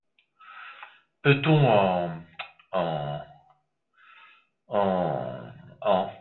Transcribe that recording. Peut-on en … en … en … en …